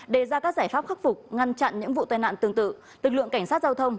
đề ra các giải pháp khắc phục ngăn chặn những vụ tai nạn tương tự lực lượng cảnh sát giao thông